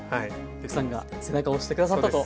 奥さんが背中押して下さったと。